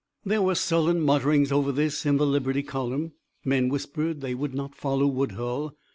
There were sullen mutterings over this in the Liberty column. Men whispered they would not follow Woodhull.